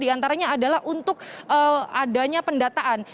diantaranya adalah untuk adanya pendataan